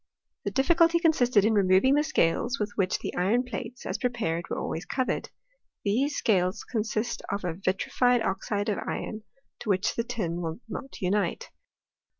The difficulty consisted in removing the scales with which the iron plates, as prepared, were alwavs covered. These scales consist of a vitrified oxide of iron, to which the tin will not unite.